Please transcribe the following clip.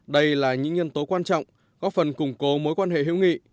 đây là những nhân tố quan trọng góp phần củng cố mối quan hệ hữu nghị